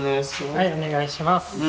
はいお願いします。